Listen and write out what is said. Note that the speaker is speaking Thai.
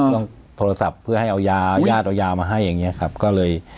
ต้องโทรศัพท์เพื่อให้เอายายาดเอายามาให้อย่างเงี้ยครับก็เลย